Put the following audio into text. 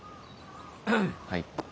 はい。